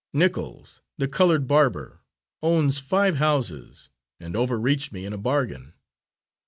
Nichols, the coloured barber, owns five houses, and overreached me in a bargain.